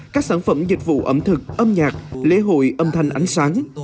các sản phẩm dịch vụ ẩm thực âm nhạc lễ hội âm thanh ánh sáng